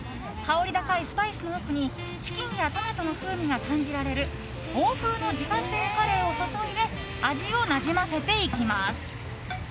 薫り高いスパイスの奥にチキンやトマトの風味が感じられる欧風の自家製カレーを注いで味をなじませていきます。